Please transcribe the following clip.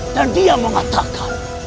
dan dia mengatakan